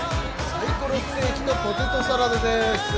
サイコロステーキとポテトサラダです。